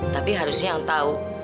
tapi harusnya yang tahu